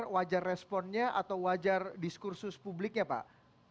wajar responnya atau wajar diskursus publiknya pak